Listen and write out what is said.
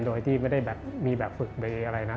โดยที่ไม่ได้มีแบบฝึกดเรา